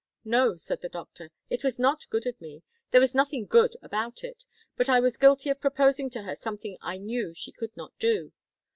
'No,' said the doctor, 'it was not good of me. There was nothing good about it. But I was guilty of proposing to her something I knew she could not do.